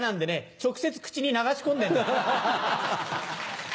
直接口に流し込んでるの。